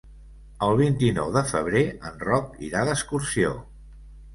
El vint-i-nou de febrer en Roc irà d'excursió.